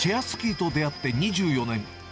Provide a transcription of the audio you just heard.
スキーと出会って２４年。